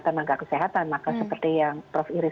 tenaga kesehatan maka seperti yang prof iris